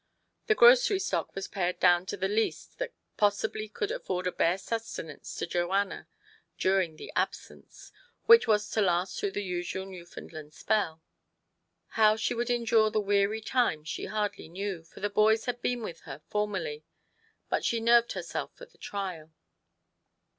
The grocery stock was pared down to the least that possibly could afford a bare sustenance to Joanna during the absence, which was to last through the usual Newf'nland spell." How she would endure the weary time she hardly knew, for the boys had been with her formerly ; but she nerved herself for the trial.